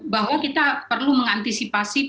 bahwa kita perlu mengantisipasi